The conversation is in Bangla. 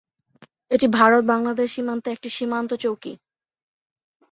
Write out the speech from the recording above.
এটি ভারত-বাংলাদেশ সীমান্তে একটি সীমান্ত চৌকি।